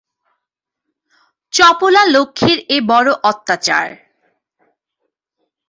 চপলা লক্ষ্মীর এ বড়ো অত্যাচার।